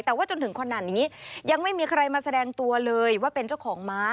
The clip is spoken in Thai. แต่ว่าจนถึงขนาดนี้ยังไม่มีใครมาแสดงตัวเลยว่าเป็นเจ้าของม้า